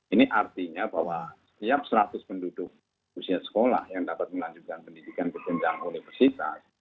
ini artinya bahwa setiap seratus penduduk usia sekolah yang dapat melanjutkan pendidikan berjenjang universitas